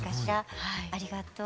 ありがとう。